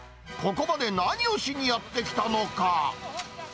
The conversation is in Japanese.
ここまで何をしにやって来たのか。